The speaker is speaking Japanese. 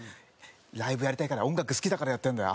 「ライブやりたいから音楽好きだからやってるんだよ」。